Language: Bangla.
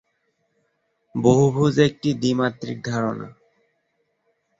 বহুভুজ একটি দ্বিমাত্রিক ধারণা।